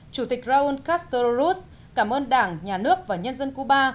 chủ tịch raúl castro ruz cảm ơn đảng nhà nước và nhân dân cuba